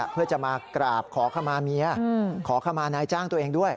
เพื่อจะมากราบขอขมาเมียขอขมานายจ้างตัวเองด้วย